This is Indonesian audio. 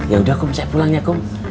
ya udah kom saya pulang ya kom